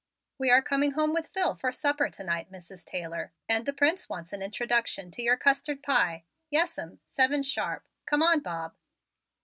"We are coming home with Phil for supper to night, Mrs. Taylor, and the Prince wants an introduction to your custard pie. Yes'm, seven sharp! Come on, Bob!"